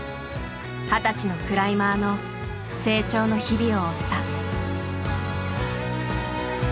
二十歳のクライマーの成長の日々を追った。